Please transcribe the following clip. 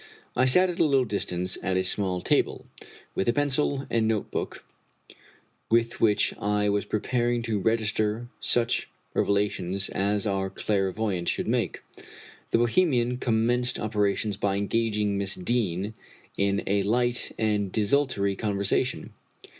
I sat at a little distance, at a small table, with a pencil and note book, with which I was preparing to register such revela tions as our clairvoyante should make. The Bohemian commenced operations by engaging Miss Deane in a light and desultory conversation.